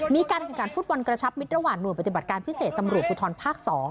มีการทางการฟุตบอลกระชับมิดระหว่านนวดปฏิบัติการพิเศษตำร่วมผู้ทรภาค๒